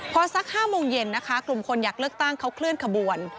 พอสัก๕โมงเย็นนะคะกลุ่มคนอยากเลือกตั้งเขาเคลื่อนขบวน